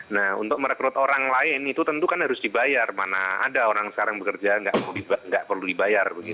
nah untuk merekrut orang lain itu tentu kan harus dibayar mana ada orang sekarang bekerja nggak perlu dibayar